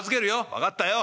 「分かったよ。